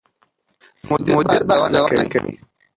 مدیر به ارزونه کوي.